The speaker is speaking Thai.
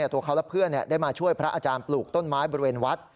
ตัวเขาและเพื่อนได้มาช่วยพระอาจารย์ปลูกต้นไม้บริเวณวัด